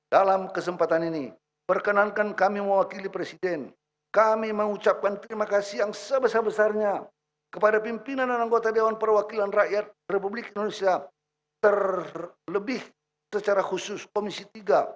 dalam kesempatan ini perkenankan kami mewakili presiden kami mengucapkan terima kasih yang sebesar besarnya kepada pimpinan dan anggota dewan perwakilan rakyat republik indonesia terlebih secara khusus komisi tiga